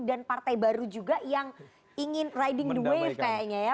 dan partai baru juga yang ingin riding the wave kayaknya ya